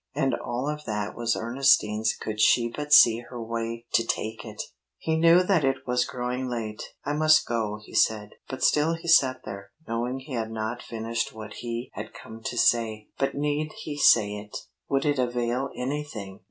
And all of that was Ernestine's could she but see her way to take it! He knew that it was growing late. "I must go," he said, but still he sat there, knowing he had not finished what he had come to say. But need he say it? Would it avail anything?